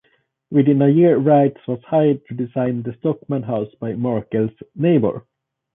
Within a year, Wright was hired to design the Stockman House by Markley's neighbor.